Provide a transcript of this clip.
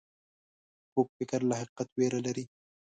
کوږ فکر له حقیقت ویره لري